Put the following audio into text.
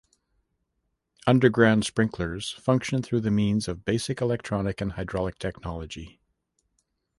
Underground sprinklers function through means of basic electronic and hydraulic technology.